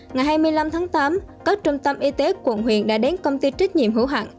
ngày hai mươi năm tháng tám các trung tâm y tế quận huyện đã đến công ty trách nhiệm hữu hạng